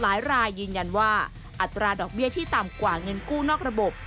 หลายรายยืนยันว่าอัตราดอกเบี้ยที่ต่ำกว่าเงินกู้นอกระบบ